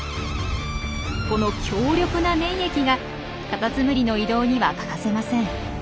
この強力な粘液がカタツムリの移動には欠かせません。